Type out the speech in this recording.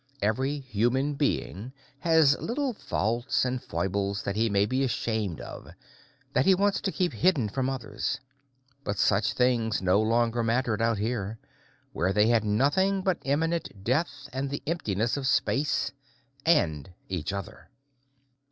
Every human being has little faults and foibles that he may be ashamed of, that he wants to keep hidden from others. But such things no longer mattered out here, where they had nothing but imminent death and the emptiness of space and each other.